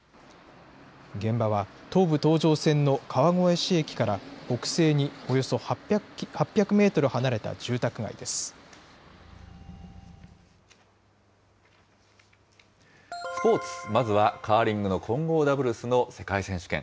現場は東武東上線の川越市駅から北西におよそ８００メートル離れスポーツ、まずはカーリングの混合ダブルスの世界選手権。